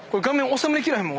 収め切らへんもん。